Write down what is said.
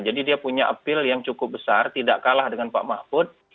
jadi dia punya apel yang cukup besar tidak kalah dengan pak mahfud